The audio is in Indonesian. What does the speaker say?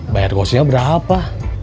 bayar kosnya berapa